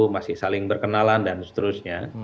masih saling berkenalan dan seterusnya